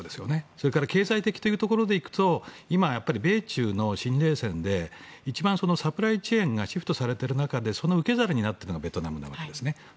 それから経済的というところでいうと今、米中の新冷戦で一番サプライチェーンがシフトされている中でその受け皿になるのがベトナムなわけですね。